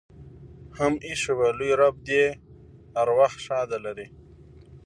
هم ایښي وه. لوى رب دې ارواح ښاده لري.